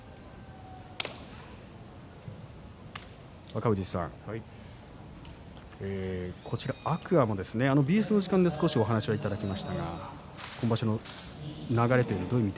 若藤さん、天空海もＢＳの時間で少しお話はいただきましたが今場所の流れ